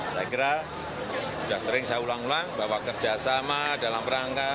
saya kira sudah sering saya ulang ulang bahwa kerjasama dalam rangka